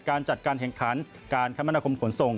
การจัดการแข่งขันการคมนาคมขนส่ง